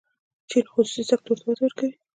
چین خصوصي سکتور ته وده ورکوي.